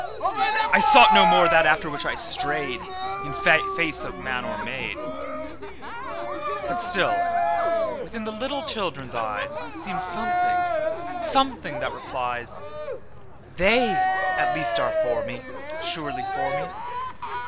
'I sought no more that after which I strayedIn face of man or maid; But still within the little children's eyesSeems something, something that replies, They at least are for me, surely for me!